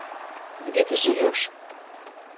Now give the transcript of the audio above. Где ты живёшь?